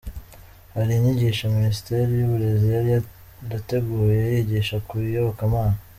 Hari inyigisho Minisiteri y’uburezi yari yarateguye yigisha ku iyobokamana .